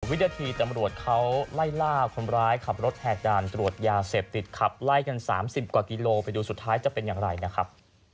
วินาทีตำรวจเขาไล่ล่าคนร้ายขับรถแหกด่านตรวจยาเสพติดขับไล่กัน๓๐กว่ากิโลไปดูสุดท้ายจะเป็นอย่างไรนะครับ